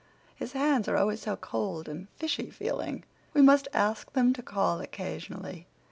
His hands are always so cold and fishy feeling. We must ask them to call occasionally.